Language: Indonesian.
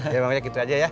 iya bang majak gitu aja ya